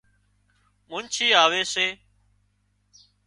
منڇي آوي سي